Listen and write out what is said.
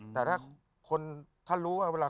แต่ถ้าท่านรู้ว่า